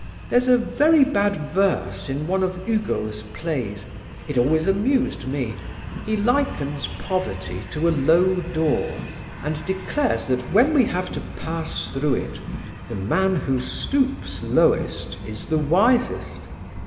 "There's a very bad verse in one of Hugo's plays. It always amused me he likens poverty to a low door and declares that when we have to pass through it the man who stoops lowest is the wisest.